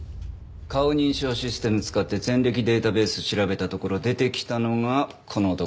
顔認証システム使って前歴データベース調べたところ出てきたのがこの男だ。